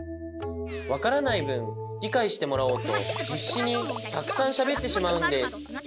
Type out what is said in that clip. わからないぶんりかいしてもらおうとひっしにたくさんしゃべってしまうんです。